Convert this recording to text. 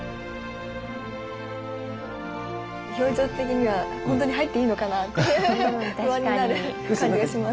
表情的にはほんとに入っていいのかなって不安になる感じがします。